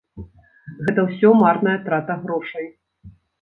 Гэта ўсё марная трата грошай.